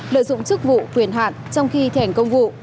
lợi dụng chức vụ quyền hạn trong khi thành công vụ